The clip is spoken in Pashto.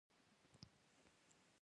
افغان ملت زړور او باعزته دی.